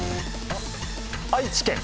愛知県。